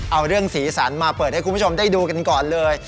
เอาเรื่องสีสันมาเปิดให้คุณผู้ชมได้ดูกันก่อนเลย